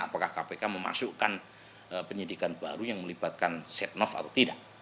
apakah kpk memasukkan penyidikan baru yang melibatkan setnov atau tidak